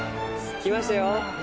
来ましたよ。